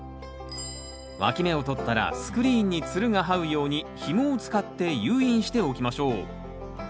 わき芽をとったらスクリーンにつるがはうようにひもを使って誘引しておきましょう。